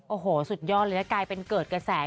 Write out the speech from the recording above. โอ้โหสุดยอดเลยกลายเป็นเกิดกระแส